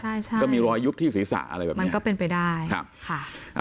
ใช่ใช่ก็มีรอยยุบที่ศีรษะอะไรแบบนี้มันก็เป็นไปได้ครับค่ะอ่า